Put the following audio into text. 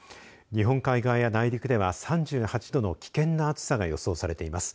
日本海側や内陸では３８度の危険な暑さが予想されています。